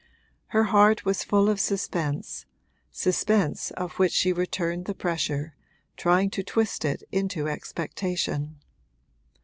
Her heart was full of suspense suspense of which she returned the pressure, trying to twist it into expectation.